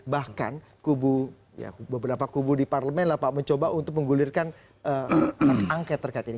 bahkan beberapa kubu di parlemen lah pak mencoba untuk menggulirkan hak angket terkait ini